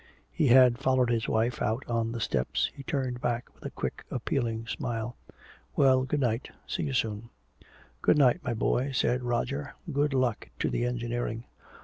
He had followed his wife out on the steps. He turned back with a quick appealing smile: "Well, good night see you soon " "Good night, my boy," said Roger. "Good luck to the engineering."